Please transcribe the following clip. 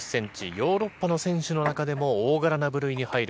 ヨーロッパの選手の中でも、大柄な部類に入る